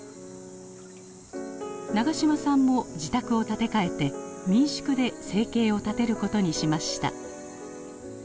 長嶋さんも自宅を建て替えて民宿で生計を立てることにしました。